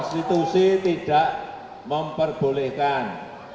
konstitusi tidak memperbolehkan